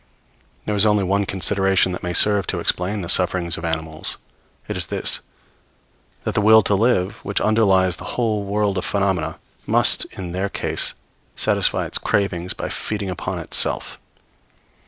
There is only one consideration that may serve to explain the sufferings of animals. It is this: that the will to live, which underlies the whole world of phenomena, must, in their case satisfy its cravings by feeding upon itself.